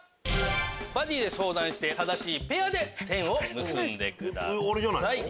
バディで相談して正しいペアで線を結んでください。